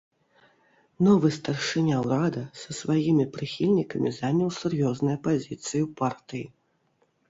Новы старшыня ўрада са сваімі прыхільнікамі заняў сур'ёзныя пазіцыі ў партыі.